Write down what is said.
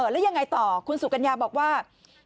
แล้วยังไงต่อคุณสุกัญญาบอกว่า